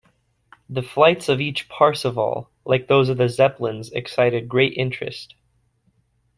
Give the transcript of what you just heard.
The flights of each 'Parseval', like those of the Zeppelins, excited great interest.